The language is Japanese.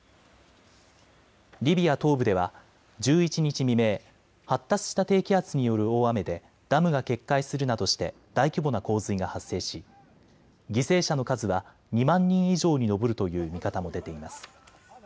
リビア東部では１１日未明、発達した低気圧による大雨でダムが決壊するなどして大規模な洪水が発生し犠牲者の数は２万人以上に上るという見方も出ています。